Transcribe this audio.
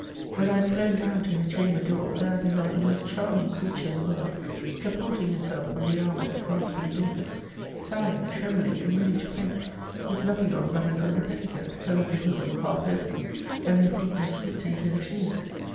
When I had flown down to her chamber door, there I beheld the most charming creature in the world, supporting herself on the arm of the gasping Dorcas, sighing, trembling, and ready to faint, with nothing on but an under petticoat, her lovely bosom half open, and her feet just slipped into her shoes.